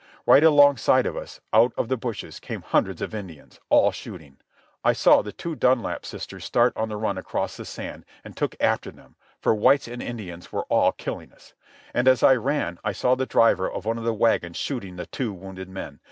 Right alongside of us, out of the bushes, came hundreds of Indians, all shooting. I saw the two Dunlap sisters start on the run across the sand, and took after them, for whites and Indians were all killing us. And as I ran I saw the driver of one of the wagons shooting the two wounded men.